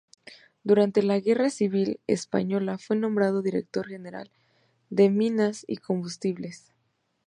Durante la guerra civil española fue nombrado director general de Minas y Combustibles.